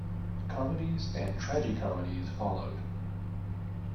Comedies and tragi-comedies followed.